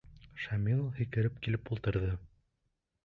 Шамил һикереп килеп ултырҙы.